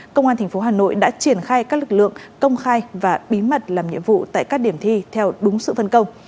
công an tp hà nội đã triển khai các lực lượng công khai và bí mật làm nhiệm vụ tại các điểm thi theo đúng sự phân công